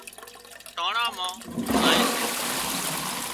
ٽانڻا مان زائي سي